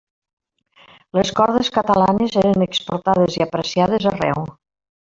Les cordes catalanes eren exportades i apreciades arreu.